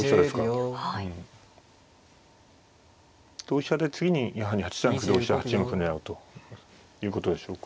同飛車で次にやはり８三歩同飛車８四歩狙うということでしょうか。